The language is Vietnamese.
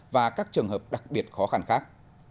và các trường hợp đặc biệt khó khăn khác